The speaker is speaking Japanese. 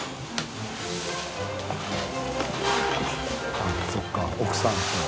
あぁそうか奥さんと。